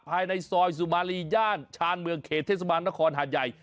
ภายในซอยสุมารีย่านชาญเมืองเขตเทศบาลนครหาดใหญ่